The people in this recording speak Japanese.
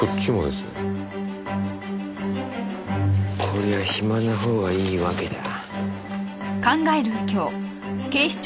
こりゃ暇な方がいいわけだ。